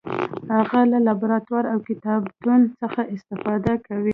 هغه له لابراتوار او کتابتون څخه استفاده کوي.